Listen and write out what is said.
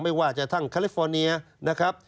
ไม่ว่าจะทั้งคาลิฟอร์เนียนะครับ